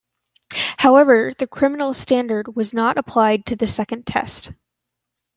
However the criminal standard was not applied to the second test.